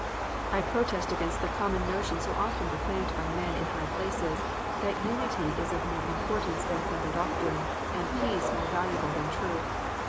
I protest against the common notion so often proclaimed by men in high places, that unity is of more importance than sound doctrine, and peace more valuable than truth.